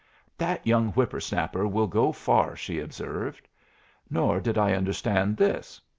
"That young whipper snapper will go far," she observed; nor did I understand this.